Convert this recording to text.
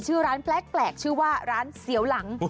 ชื่อร้านแปลกชื่อว่าร้านเสียวหลัง